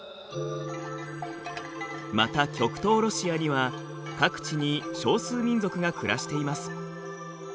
また極東ロシアには各地に少数民族が暮らしています。